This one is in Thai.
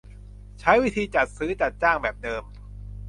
ใช้วิธีจัดซื้อจัดจ้างแบบเดิม